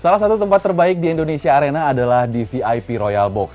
salah satu tempat terbaik di indonesia arena adalah di vip royal box